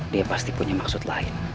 dia pasti punya maksud lain